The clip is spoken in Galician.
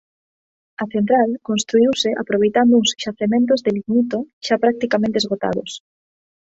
A central construíuse aproveitando uns xacementos de lignito xa practicamente esgotados.